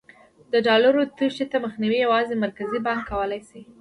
د ډالرو تېښتې مخنیوی یوازې مرکزي بانک کولای شي.